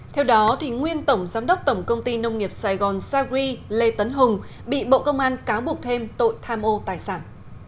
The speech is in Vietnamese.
theo đó nguyên tổng giám đốc tổng công ty nông nghiệp sài gòn sagri lê tấn hùng bị bộ công an cáo buộc thêm tội tham ô tài sản